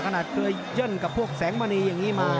ขนาดเคยเยิ่นกับพวกแสงมณีอย่างนี้มา